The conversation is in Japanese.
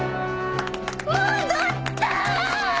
戻ったぁ！